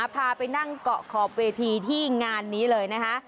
พาไปนั่งเกาะขอบเวทีที่งานนี้เลยนะคะ